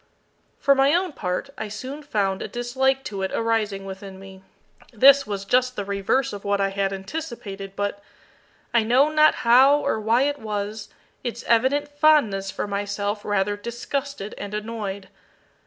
For my own part, I soon found a dislike to it arising within me. This was just the reverse of what I had anticipated, but I know not how or why it was its evident fondness for myself rather disgusted and annoyed.